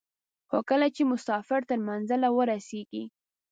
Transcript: خو کله چې مسافر تر منزل ورسېږي.